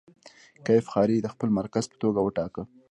کیف ښاریې د خپل مرکز په توګه وټاکه.